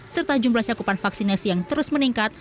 serta jumlah cakupan vaksinasi yang terus meningkat